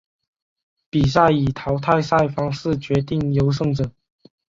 比赛以淘汰赛方式决定优胜者。